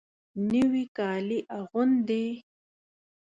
نوي کالي اغوندې